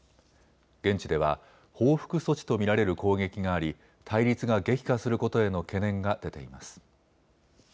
現地では報復措置と見られる攻撃があり対立が激化することへの懸念が出ています。